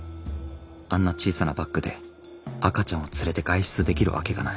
あんな小さなバッグで赤ちゃんを連れて外出できるわけがない。